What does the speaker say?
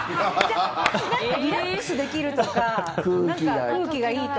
リラックスできるとかなんか、空気がいいとか。